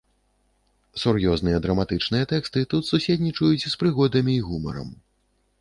Сур'ёзныя драматычныя тэксты тут суседнічаюць з прыгодамі і гумарам.